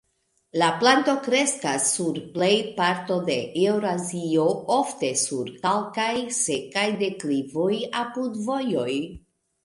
La planto kreskas sur plejparto de Eŭrazio, ofte sur kalkaj, sekaj deklivoj, apud vojoj.